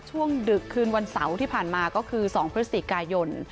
ดึกคืนวันเสาร์ที่ผ่านมาก็คือ๒พฤศจิกายน